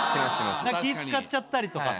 何か気ぃ使っちゃったりとかさ。